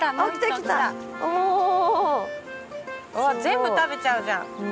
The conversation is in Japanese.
全部食べちゃうじゃん。